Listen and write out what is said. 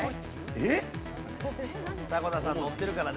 えっ？